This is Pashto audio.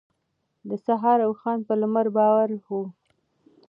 د سهار اوښان په لمر بار وو.